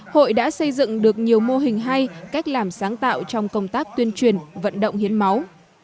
hội đã xây dựng được nhiều mô hình hay cách làm sáng tạo trong công tác tuyên truyền vận động hiến máu